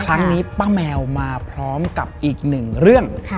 ครั้งนี้ป้าแมวมาพร้อมกับอีกหนึ่งเรื่อง